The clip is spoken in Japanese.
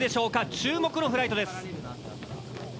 注目のフライトです。